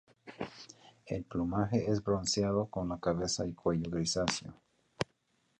El plumaje es bronceado con la cabeza y cuello grisáceo.